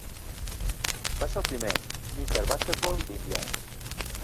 Va ser el primer "Mr. Basketball" d'Indiana.